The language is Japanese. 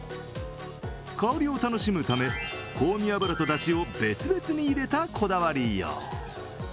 香りを楽しむため、香味油とだしを別々に入れたこだわりよう。